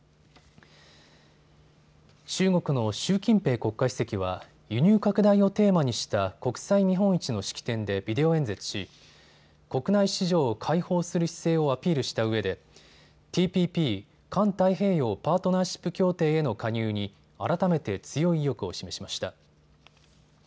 中国の習近平国家主席は輸入拡大をテーマにした国際見本市の式典でビデオ演説し国内市場を開放する姿勢をアピールしたうえでＴＰＰ・環太平洋パートナーシップ協定への加入に改めて強い意欲を示しました。